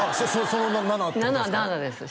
その「七」ってことですか？